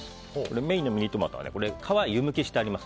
メインのミニトマトは川は湯むきしてあります。